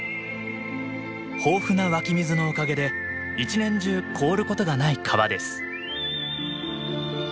豊富な湧き水のおかげで一年中凍ることがない川です。